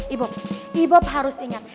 ibu harus ingat